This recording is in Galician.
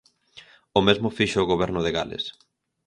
O mesmo fixo o Goberno de Gales.